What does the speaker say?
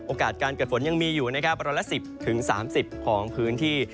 โอกาสการเกิดฝนยังมีอยู่ร้อนละ๑๐๓๐ของพื้นที่